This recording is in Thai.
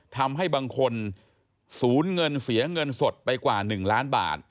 ทำให้บางคนสูญเงินเสียเงินสดไปกว่า๑ล้านบาท